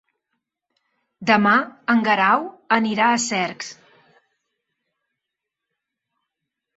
Demà en Guerau anirà a Cercs.